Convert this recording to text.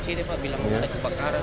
jadi pak bilang ada kebakaran